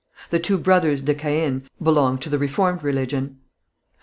The two brothers de Caën belonged to the reformed religion.